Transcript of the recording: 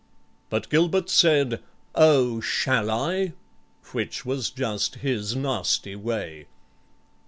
But GILBERT said, "Oh, shall I?" which was just his nasty way.